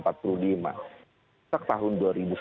setelah tahun dua ribu tujuh belas